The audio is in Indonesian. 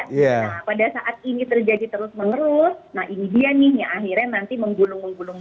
nah pada saat ini terjadi terus menerus nah ini dia nih yang akhirnya nanti menggulung menggulung